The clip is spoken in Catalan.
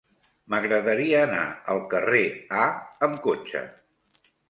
M'agradaria anar al carrer A amb cotxe.